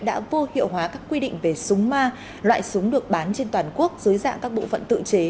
đã vô hiệu hóa các quy định về súng ma loại súng được bán trên toàn quốc dưới dạng các bộ phận tự chế